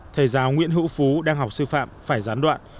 thầy giáo nguyễn hữu phú đang học sư phạm phải gián đoạn